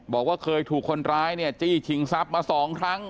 บอกว่าเคยถูกคนร้ายเนี่ยจี้ชิงทรัพย์มา๒ครั้ง